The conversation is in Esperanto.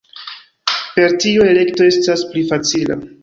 Per tio elekto estas pli facila.